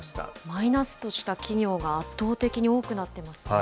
マイナスとした企業が圧倒的に多くなっていますね。